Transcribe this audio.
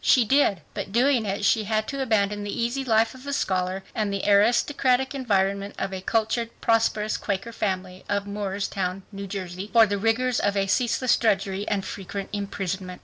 She did. But doing it she had to abandon the easy life of a scholar and the aristocratic environment of a cultured, prosperous, Quaker family, of Moorestown, New Jersey, for the rigors of a ceaseless drudgery and frequent imprisonment.